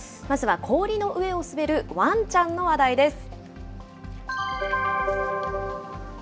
まずは氷の上を滑るワンちゃんの話題です。